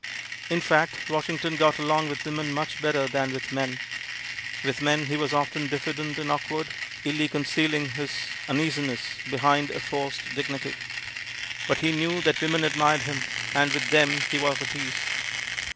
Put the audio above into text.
In fact, Washington got along with women much better than with men; with men he was often diffident and awkward, illy concealing his uneasiness behind a forced dignity; but he knew that women admired him, and with them he was at ease.